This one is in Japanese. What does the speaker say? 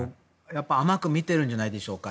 甘く見ているんじゃないでしょうか。